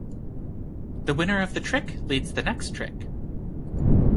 The winner of the trick leads the next trick.